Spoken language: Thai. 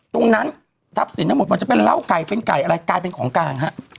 ตรงนั้นทัพสินทั้งหมดมันล้าวไก่เป็นไก่อะไรกลายเป็นของกลาง